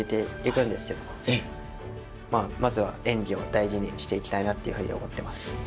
まあまずは演技を大事にしていきたいなって思ってます。